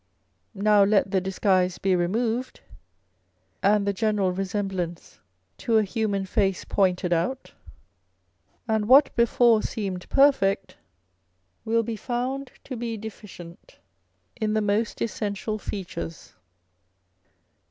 Now let the disguise be removed and the general resemblance to a human face pointed out, and what before seemed perfect will be found to be deficient in the most essential features.